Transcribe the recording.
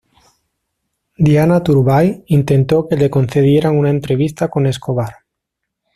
Diana Turbay intentó que le concedieran una entrevista con Escobar.